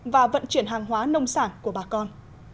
và vận chuyển hàng hóa nông sản của bà con